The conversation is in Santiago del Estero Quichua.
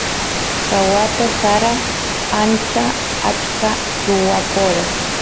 ka wata sara ancha achka ruwakora